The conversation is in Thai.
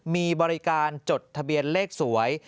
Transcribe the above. มีบริการจดทะเบียนเลขสวย